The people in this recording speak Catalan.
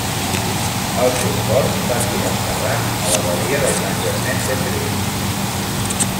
El seu cor va ser enterrat a l'Abadia de Saint-Germain-des-Prés.